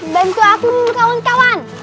bantu aku kawan kawan